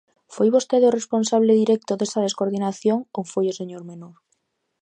¿Foi vostede o responsable directo desta descoordinación ou foi o señor Menor?